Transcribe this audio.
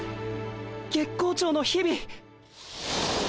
月光町の日々。